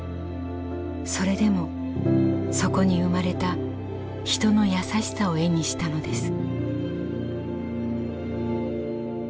それでもそこに生まれた人の優しさを絵にしたのです。